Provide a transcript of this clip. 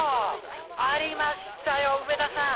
ありましたよ、上田さん。